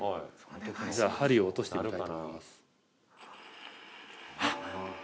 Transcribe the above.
じゃあ針を落としてみたいと思います。